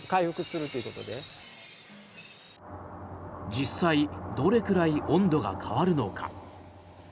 実際どれくらい温度が変わるのか。